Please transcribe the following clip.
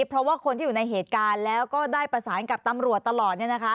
เพราะว่าคนที่อยู่ในเหตุการณ์แล้วก็ได้ประสานกับตำรวจตลอด